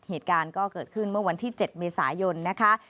เหตุการณ์ก็เกิดขึ้นเมื่อวันที่๗เมษายนนะคะ